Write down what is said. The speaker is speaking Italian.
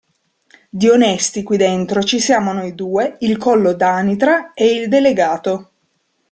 Di onesti qui dentro ci siamo noi due, il Collo d'anitra, e il Delegato.